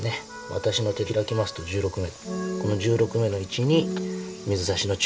私の手開きますと１６目。